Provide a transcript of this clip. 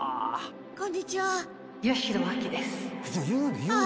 こんにちはあ